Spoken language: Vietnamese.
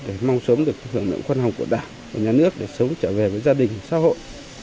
để mong sớm được hưởng lượng khuân hồng của đảng và nhà nước để sống trở về với gia đình xã hội